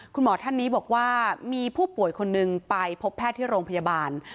คุณหมอท่านนี้บอกว่ามีผู้ป่วยคนนึงไปพบแพทย์ที่โรงพยาบาล